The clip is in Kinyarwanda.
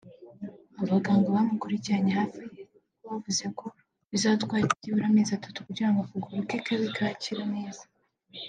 Abaganga bamukirikiraniye hafi bavuze ko bizatwara byibura amezi atatu kugira ngo akaguru ke kabe kakira neza